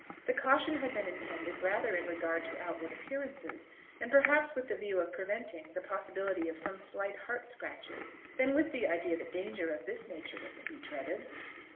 The caution had been intended, rather in regard to outward appearances, and perhaps with the view of preventing the possibility of some slight heart scratches, than with the idea that danger of this nature was to be dreaded.